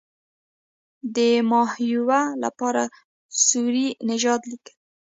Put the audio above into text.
د ماهویه لپاره سوري نژاد لیکلی.